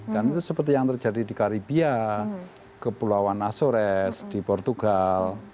dan itu seperti yang terjadi di karibia ke pulauan asores di portugal